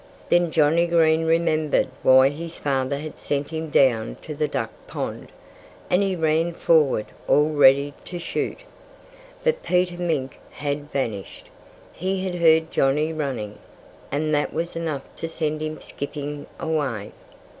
Then Johnnie Green remembered why his father had sent him down to the duck pond. And he ran forward, all ready to shoot. But Peter Mink had vanished. He had heard Johnnie running; and that was enough to send him skipping away.